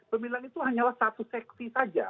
pemilihan itu hanyalah satu seksi saja